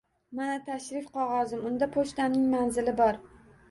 Mana tashrif qog`ozim, unda pochtamning manzili bor